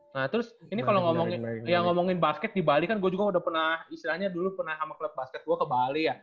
nah terus ini kalau ngomongin basket di bali kan gue juga udah pernah istilahnya dulu pernah sama klub basket gue ke bali ya